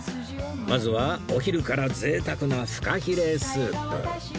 まずはお昼から贅沢なフカヒレスープ